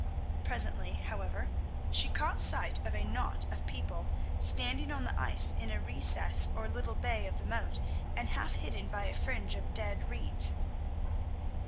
Presently, however, she caught sight of a knot of people standing on the ice in a recess or little bay of the moat, and half hidden by a fringe of dead reeds.